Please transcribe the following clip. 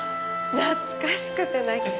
懐かしくて泣きそう。